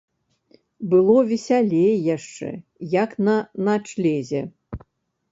Было весялей яшчэ, як на начлезе.